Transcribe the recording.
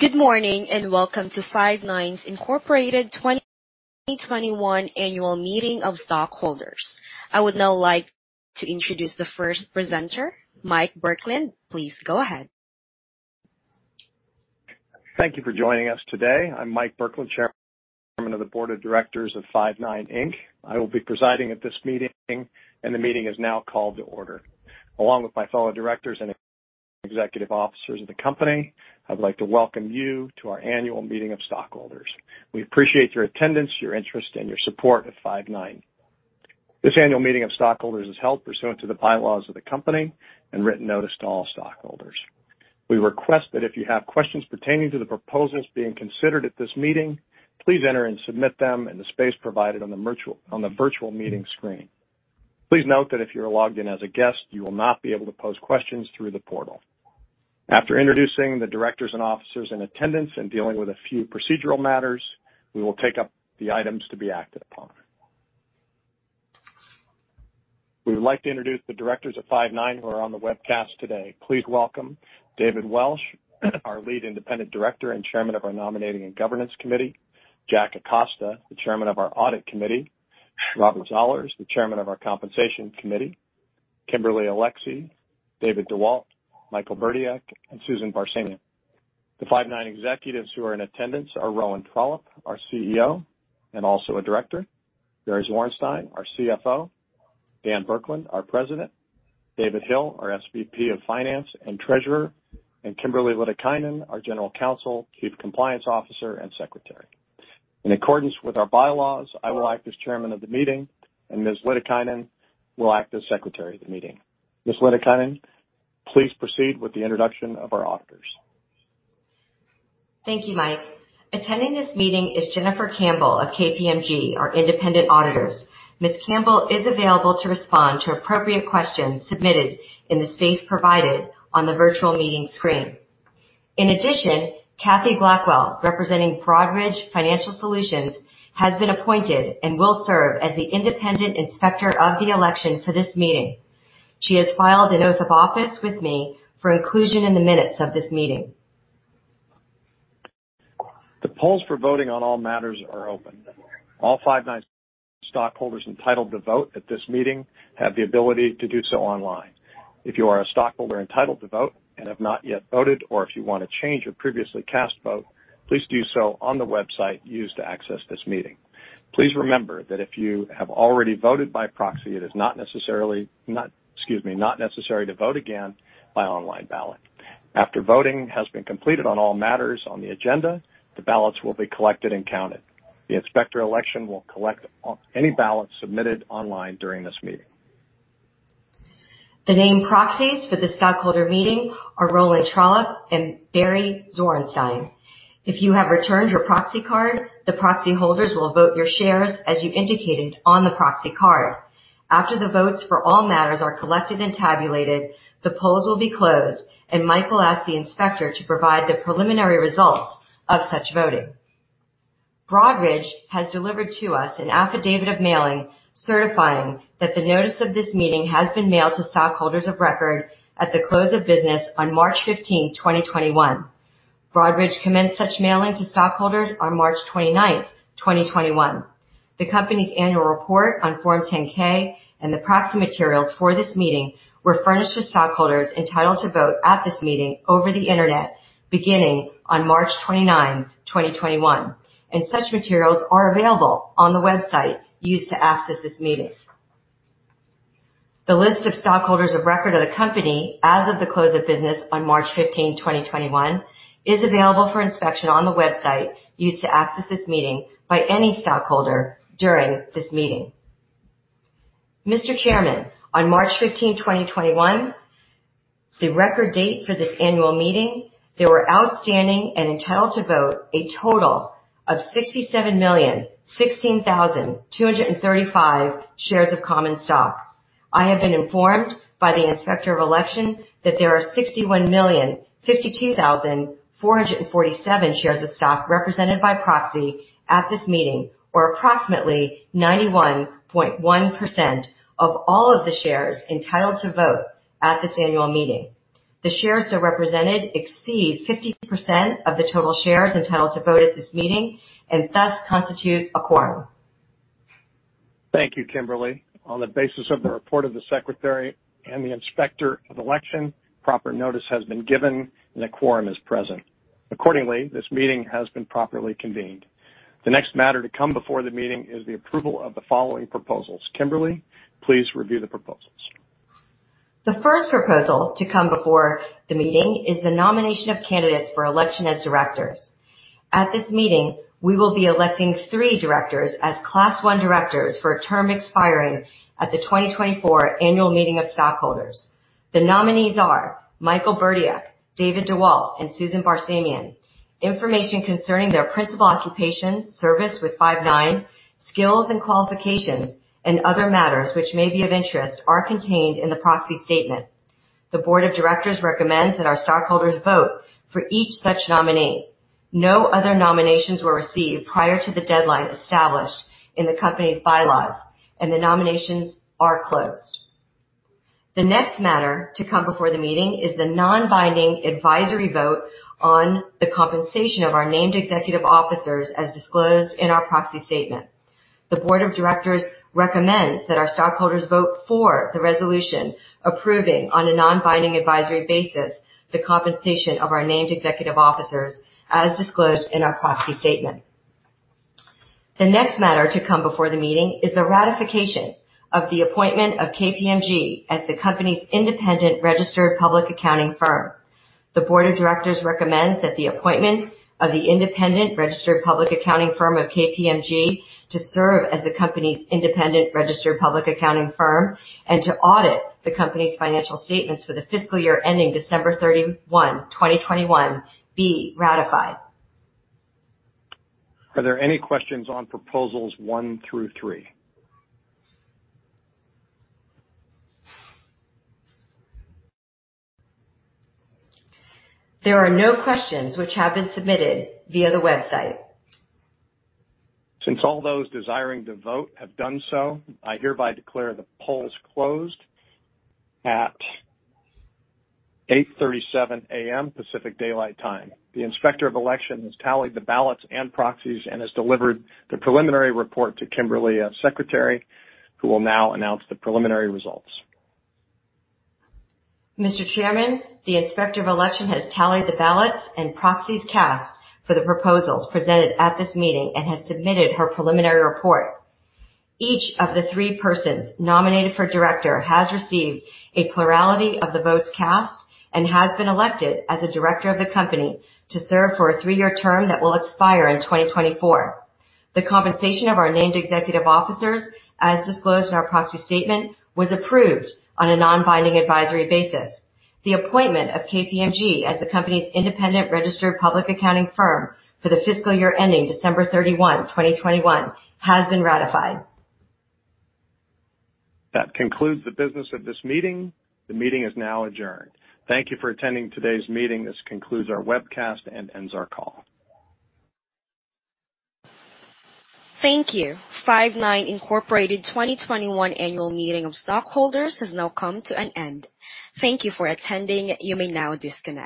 Good morning, and welcome to Five9 Incorporated 2021 Annual Meeting of Stockholders. I would now like to introduce the first presenter, Mike Burkland. Please go ahead. Thank you for joining us today. I'm Mike Burkland, Chairman of the Board of Directors of Five9, Inc. I will be presiding at this meeting, and the meeting is now called to order. Along with my fellow directors and executive officers of the company, I'd like to welcome you to our Annual Meeting of Stockholders. We appreciate your attendance, your interest, and your support of Five9. This Annual Meeting of Stockholders is held pursuant to the bylaws of the company and written notice to all stockholders. We request that if you have questions pertaining to the proposals being considered at this meeting, please enter and submit them in the space provided on the virtual meeting screen. Please note that if you're logged in as a guest, you will not be able to pose questions through the portal. After introducing the directors and officers in attendance and dealing with a few procedural matters, we will take up the items to be acted upon. We would like to introduce the directors of Five9 who are on the webcast today. Please welcome David Welsh, our Lead Independent Director and Chairman of our Nominating and Governance Committee, Jack Acosta, the Chairman of our Audit Committee, Robert Zollars, the Chairman of our Compensation Committee, Kimberly Alexy, David DeWalt, Michael Burdiek, and Sue Barsamian. The Five9 executives who are in attendance are Rowan Trollope, our CEO and also a director, Barry Zwarenstein, our CFO, Dan Burkland, our President, David Hill, our SVP of Finance and Treasurer, and Kimberly Lytikainen, our General Counsel, Chief Compliance Officer, and Secretary. In accordance with our bylaws, I will act as Chairman of the meeting, and Ms. Lytikainen will act as Secretary of the meeting. Ms. Lytikainen, please proceed with the introduction of our auditors. Thank you, Mike. Attending this meeting is Jennifer Campbell of KPMG, our independent auditors. Ms. Campbell is available to respond to appropriate questions submitted in the space provided on the virtual meeting screen. In addition, Kathy Blackwell, representing Broadridge Financial Solutions, has been appointed and will serve as the independent inspector of the election for this meeting. She has filed an oath of office with me for inclusion in the minutes of this meeting. The polls for voting on all matters are open. All Five9 stockholders entitled to vote at this meeting have the ability to do so online. If you are a stockholder entitled to vote and have not yet voted, or if you want to change your previously cast vote, please do so on the website used to access this meeting. Please remember that if you have already voted by proxy, it is not necessary to vote again by online ballot. After voting has been completed on all matters on the agenda, the ballots will be collected and counted. The Inspector of Election will collect any ballots submitted online during this meeting. The named proxies for the stockholder meeting are Rowan Trollope and Barry Zwarenstein. If you have returned your proxy card, the proxy holders will vote your shares as you indicated on the proxy card. After the votes for all matters are collected and tabulated, the polls will be closed, and Mike will ask the inspector to provide the preliminary results of such voting. Broadridge has delivered to us an affidavit of mailing certifying that the notice of this meeting has been mailed to stockholders of record at the close of business on March 15, 2021. Broadridge commenced such mailing to stockholders on March 29, 2021. The company's annual report on Form 10-K and the proxy materials for this meeting were furnished to stockholders entitled to vote at this meeting over the internet beginning on March 29, 2021. Such materials are available on the website used to access this meeting. The list of stockholders of record of the company as of the close of business on March 15, 2021, is available for inspection on the website used to access this meeting by any stockholder during this meeting. Mr. Chairman, on March 15, 2021, the record date for this annual meeting, there were outstanding and entitled to vote a total of 67,016,235 shares of common stock. I have been informed by the Inspector of Election that there are 61,052,447 shares of stock represented by proxy at this meeting, or approximately 91.1% of all of the shares entitled to vote at this annual meeting. The shares so represented exceed 50% of the total shares entitled to vote at this meeting and thus constitute a quorum. Thank you, Kimberly. On the basis of the report of the Secretary and the Inspector of Election, proper notice has been given, and a quorum is present. This meeting has been properly convened. The next matter to come before the meeting is the approval of the following proposals. Kimberly, please review the proposals. The first proposal to come before the meeting is the nomination of candidates for election as directors. At this meeting, we will be electing three directors as Class I directors for a term expiring at the 2024 Annual Meeting of Stockholders. The nominees are Michael Burdiek, David DeWalt, and Sue Barsamian. Information concerning their principal occupation, service with Five9, skills and qualifications, and other matters which may be of interest are contained in the proxy statement. The Board of Directors recommends that our stockholders vote for each such nominee. No other nominations were received prior to the deadline established in the company's bylaws, and the nominations are closed. The next matter to come before the meeting is the non-binding advisory vote on the compensation of our named executive officers as disclosed in our proxy statement. The board of directors recommends that our stockholders vote for the resolution approving on a non-binding advisory basis the compensation of our named executive officers as disclosed in our proxy statement. The next matter to come before the meeting is the ratification of the appointment of KPMG as the company's independent registered public accounting firm. The board of directors recommends that the appointment of the independent registered public accounting firm of KPMG to serve as the company's independent registered public accounting firm and to audit the company's financial statements for the fiscal year ending December 31, 2021, be ratified. Are there any questions on proposals one through three? There are no questions which have been submitted via the website. Since all those desiring to vote have done so, I hereby declare the polls closed at 8:37 A.M. Pacific Daylight Time. The Inspector of Election has tallied the ballots and proxies and has delivered the preliminary report to Kimberly, our Secretary, who will now announce the preliminary results. Mr. Chairman, the Inspector of Election has tallied the ballots and proxies cast for the proposals presented at this meeting and has submitted her preliminary report. Each of the three persons nominated for director has received a plurality of the votes cast and has been elected as a director of the company to serve for a three-year term that will expire in 2024. The compensation of our named executive officers, as disclosed in our proxy statement, was approved on a non-binding advisory basis. The appointment of KPMG as the company's independent registered public accounting firm for the fiscal year ending December 31, 2021, has been ratified. That concludes the business of this meeting. The meeting is now adjourned. Thank you for attending today's meeting. This concludes our webcast and ends our call. Thank you. Five9 Incorporated 2021 annual meeting of stockholders has now come to an end. Thank you for attending. You may now disconnect.